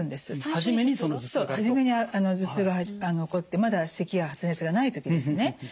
初めに頭痛が起こってまだせきや発熱がない時ですね。